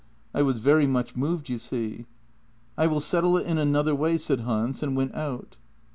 I was very much moved, you see. ' I will settle it in another way,' said Hans, and went out.